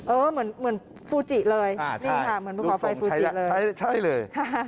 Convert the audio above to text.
เหมือนฟูจิเลยนี่ค่ะเหมือนภูเขาไฟฟูจิเลยใช่เลย